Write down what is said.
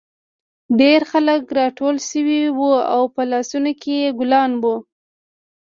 ډېر خلک راټول شوي وو او په لاسونو کې یې ګلان وو